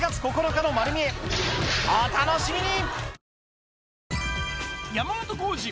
お楽しみに！